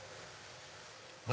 何？